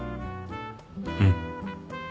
うん。